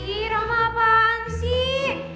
ih roma apaan sih